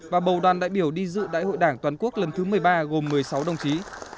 và bầu đoàn đại biểu đi dự đại hội đảng toàn quốc lần thứ một mươi ba gồm một mươi sáu đồng chí